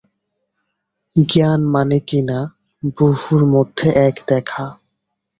জ্ঞান মানে কিনা, বহুর মধ্যে এক দেখা।